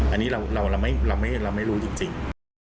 อันนี้เราไม่รู้จริง